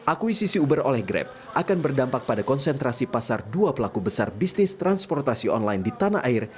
akuisisi uber oleh grab akan berdampak pada konsentrasi pasar dua pelaku besar bisnis transportasi online di tanah air